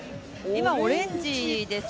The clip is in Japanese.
今、オレンジですね。